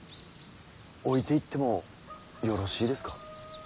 置いていってもよろしいですか。